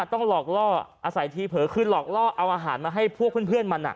ต้องหลอกล่ออาศัยทีเผลอคือหลอกล่อเอาอาหารมาให้พวกเพื่อนมัน